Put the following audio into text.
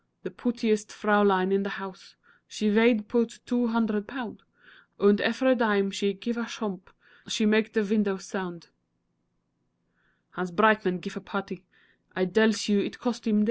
De pootiest Fräulein in de house, She veyed 'pout dwo hoondred pound, Und efery dime she gife a shoomp She make de vindows sound. Hans Breitmann gife a barty: I dells you it cost him dear.